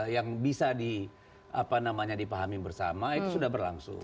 yang bisa dipahami bersama itu sudah berlangsung